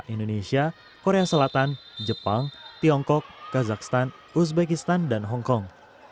indonesia korea selatan jepang tiongkok kazakhstan uzbekistan dan hongkong